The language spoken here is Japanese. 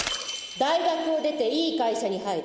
「大学を出て良い会社に入る」